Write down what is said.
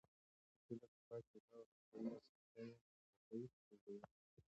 په کليو کې چې پاکې اوبه او روغتيايي اسانتیاوې وي، ناروغۍ لږېږي.